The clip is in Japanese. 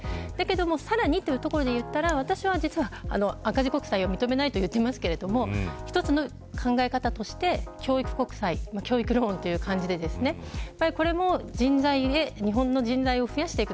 だけど、さらにというところで言ったら私は実は赤字国債を認めないと言っていますが一つの考え方として教育国債教育ローンという感じで日本の人材を増やしていく。